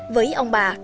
với ông bà